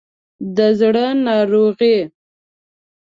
د زړه ناروغي